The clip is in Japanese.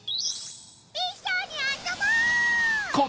いっしょにあそぼ！